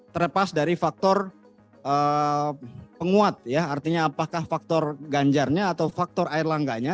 terlepas dari faktor penguat ya artinya apakah faktor ganjarnya atau faktor air langganya